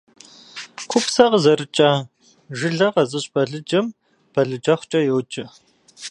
Купсэ къызэрыкӏа, жылэ къэзыщӏ балыджэм балыджэхъукӏэ йоджэ.